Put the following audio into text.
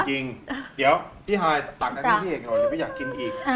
จริงเดี๋ยวพี่ฮายตักอันนี้พี่เอกก่อนเดี๋ยวพี่อยากกินอีก